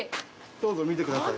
どうぞ、見てください。